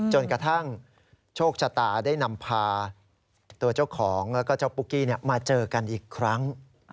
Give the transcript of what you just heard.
จนกระทั่งโชคชะตาได้นำพาตัวเจ้าของแล้วก็เจ้าปุ๊กกี้มาเจอกันอีกครั้ง